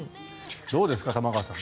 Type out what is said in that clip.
どうですか、玉川さん。